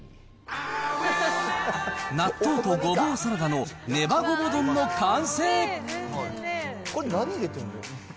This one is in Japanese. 納豆とごぼうサラダのねばごぼ丼の完成。